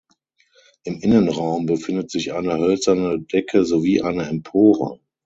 Im Innenraum befindet sich eine hölzerne Decke sowie eine Empore.